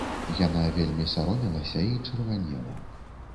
Яна вельмі саромелася і чырванела.